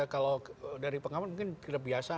kalau dari pengamat mungkin tidak biasa